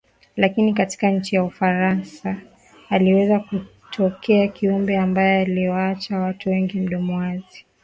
Lakini katika nchi ya Ufarasa aliweza kutokea Kiumbe ambae aliwaacha watu wengi mdomo wazi